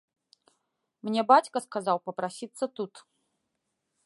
Мне бацька сказаў папрасіцца тут.